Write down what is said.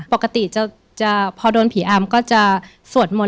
ปกติจะพอโดนผีอามก็จะสวดมนต์